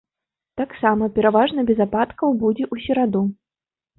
Таксама пераважна без ападкаў будзе ў сераду.